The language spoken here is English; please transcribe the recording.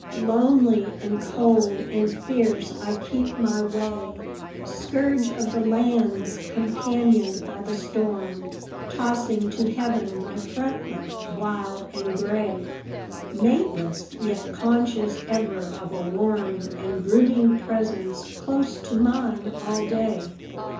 Lonely and cold and fierce I keep my way, Scourge of the lands, companioned by the storm, Tossing to heaven my frontlet, wild and gray, Mateless, yet conscious ever of a warm And brooding presence close to mine all day.